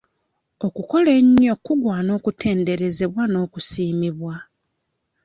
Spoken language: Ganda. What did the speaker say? Okukola ennyo kugwana okutenderezebwa n'okusiimibwa